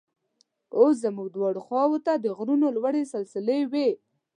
اوس زموږ دواړو خواو ته د غرونو لوړې سلسلې وې.